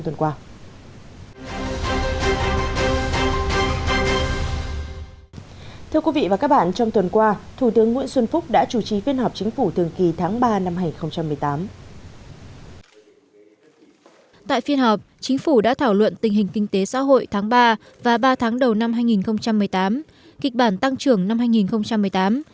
tại phiên họp chính phủ đã thảo luận tình hình kinh tế xã hội tháng ba và ba tháng đầu năm hai nghìn một mươi tám kịch bản tăng trưởng năm hai nghìn một mươi tám